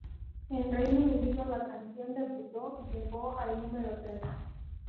En Reino Unido la canción debutó y llegó al número tres.